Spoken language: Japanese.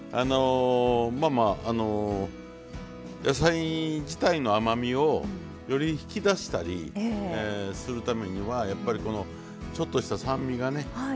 野菜自体の甘みをより引き出したりするためにはやっぱりこのちょっとした酸味がね